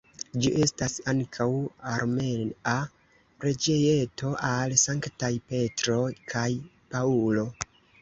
Ĝi estas ankaŭ armea preĝejeto al sanktaj Petro kaj Paŭlo.